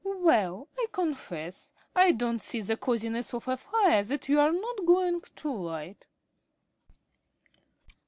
"Well, I confess I don't see the cosiness of a fire that you're never going to light."